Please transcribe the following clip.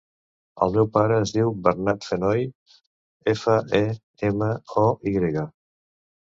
El meu pare es diu Bernat Fenoy: efa, e, ena, o, i grega.